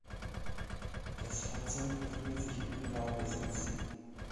Das Fahrzeug befindet sich in Privatbesitz.